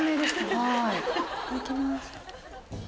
はい。